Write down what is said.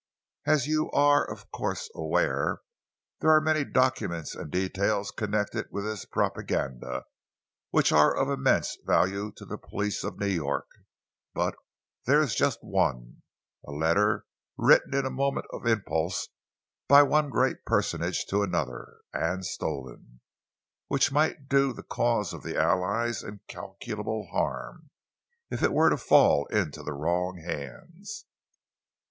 As you are of course aware, there are many documents and details connected with this propaganda which are of immense value to the police of New York, but there is just one a letter written in a moment of impulse by one great personage to another, and stolen which might do the cause of the Allies incalculable harm if it were to fall into the wrong hands."